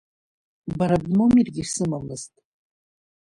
Бара бномергьы сымамзт…